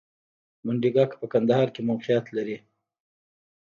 منډیګک په کندهار کې موقعیت لري